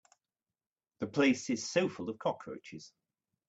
The place is so full of cockroaches.